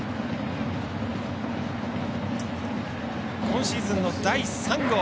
今シーズンの第３号。